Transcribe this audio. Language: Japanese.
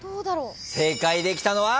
正解できたのは？